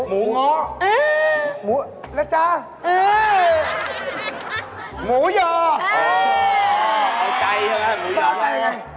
หมูงอหมูแล้วจ้าหมูหย่อเออเอาใจเหรอหมูหย่อเอาใจยังไง